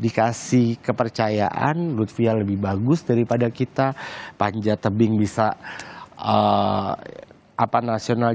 dikasih kepercayaan lutfia lebih bagus daripada kita panjat tebing bisa apa nasional